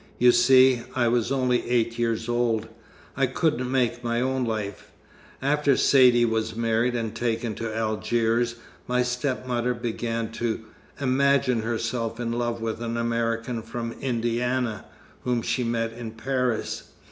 You see, I was only eight years old. I couldn't make my own life. After Saidee was married and taken to Algiers, my stepmother began to imagine herself in love with an American from Indiana, whom she met in Paris.